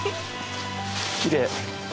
きれい。